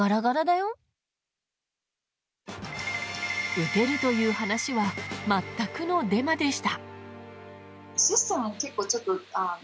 打てるという話は全くのデマでした。